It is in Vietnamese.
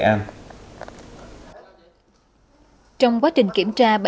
trong quá trình kiểm tra